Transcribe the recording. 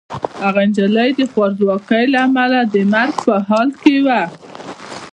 هغه نجلۍ د خوارځواکۍ له امله د مرګ په حال کې وه.